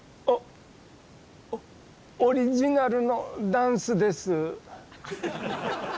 オオリジナルのダンスです。